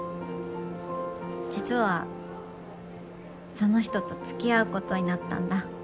実はその人とつきあうことになったんだ。